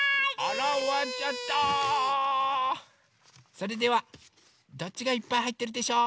それではどっちがいっぱいはいってるでしょう？